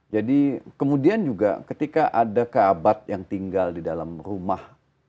kemudian juga ketika ada kerabat yang tinggal di dalam rumah